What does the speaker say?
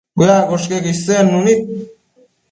Bëaccosh queque isednu nid